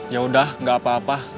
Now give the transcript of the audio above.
ya udah gak apa apa